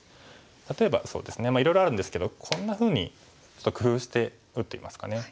例えばそうですねいろいろあるんですけどこんなふうにちょっと工夫して打ってみますかね。